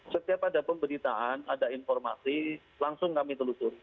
jadi pada pemberitaan ada informasi langsung kami telusuri